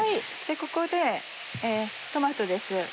ここでトマトです。